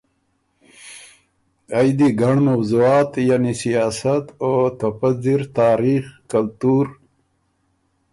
ائ دی ګنړ موضوعات یعنی سیاست او ته پۀ ځِر تاریخ، کلتُور،